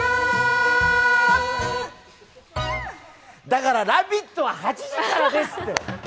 だから「ラヴィット！」は８時からですって！